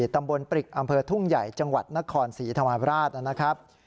ตำบลปริกอำเภอทุ่งใหญ่จังหวัดนครศรีธรรมราชนะครับ